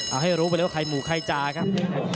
เอาให้รู้ไปเร็วไข่หมู่ไข่จากครับ